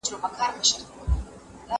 په کندهارۍ لهجه کي د "س" توری ډېر استعمالېږي